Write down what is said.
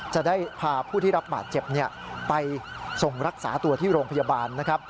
จะได้พาผู้ที่รับบาดเจ็บไปส่งรักษาตัวที่โรงพยาบาลนะครับ